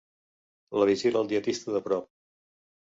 La vigila el dietista de prop.